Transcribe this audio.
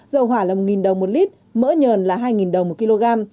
dầu hỏa là một đồng một lít mỡ nhờn là hai đồng một kg